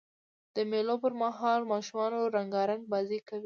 د مېلو پر مهال ماشومان رنګارنګ بازۍ کوي.